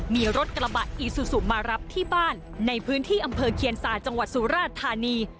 มีรถกระบะอีซูซูมารับที่บ้านในพื้นที่อำเภอเคียนซาจังหวัดสุราชธานี